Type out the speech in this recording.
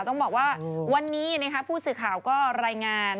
ต้องบอกว่าวันนี้ผู้สื่อข่าวก็รายงาน